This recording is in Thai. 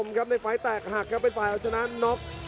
โอ้โหโอ้โห